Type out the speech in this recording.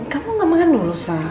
kamu gak makan dulu sa